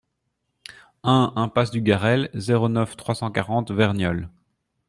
un impasse du Garrel, zéro neuf, trois cent quarante Verniolle